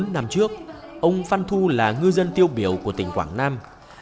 bốn mươi năm trước ông phan thu là ngư dân tiêu biểu của tỉnh quảng nam